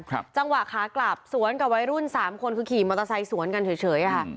จังหวะขากลับสวนกับวัยรุ่นสามคนคือขี่มอเตอร์ไซค์สวนกันเฉยเฉยอ่ะค่ะ